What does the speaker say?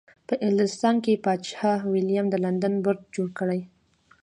په انګلستان کې پادشاه ویلیم د لندن برج جوړ کړ.